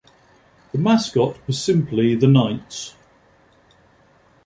The mascot was simply the Knights.